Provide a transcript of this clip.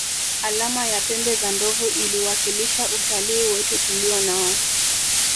Alama ya pembe za ndovu ikiwakilisha utalii wetu tulio nao